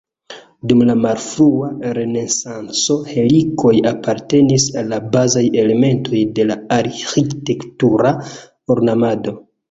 Dum la malfrua renesanco helikoj apartenis al la bazaj elementoj de la arĥitektura ornamado.